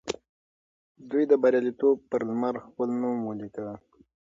دوی د بریالیتوب پر لمر خپل نوم ولیکه.